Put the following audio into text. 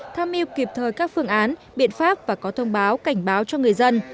tham mưu kịp thời các phương án biện pháp và có thông báo cảnh báo cho người dân